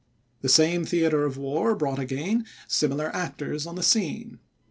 The same theatre of war brought again similar actors on the scene.